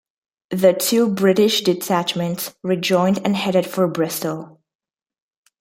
The two British detachments rejoined and headed for Bristol.